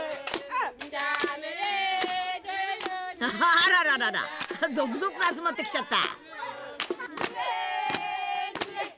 あらららら続々集まってきちゃった。